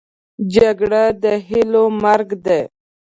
جګړه د هیلو مرګ دی